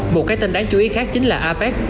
một cái tên đáng chú ý khác chính là apec